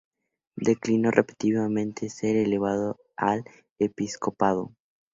Declinó repetidamente ser elevado al episcopado.